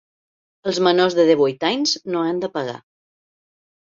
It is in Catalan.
Els menors de divuit anys no han de pagar.